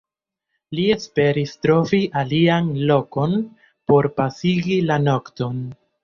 Li esperis trovi alian lokon por pasigi la nokton.